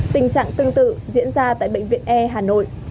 tình trạng tương tự diễn ra tại bệnh viện e hà nội